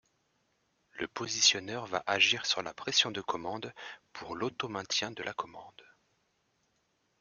Le positionneur va agir sur la pression de commande, pour l'auto-maintien de la commande.